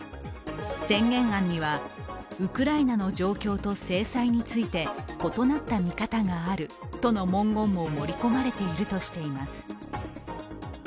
宣言案にはウクライナの状況と制裁について異なった見方があるとの文言も盛り込まれているとしています。